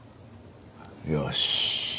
よし。